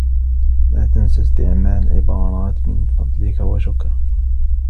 لا تنس استعمال عبارات "من فضلك" و "شكرا".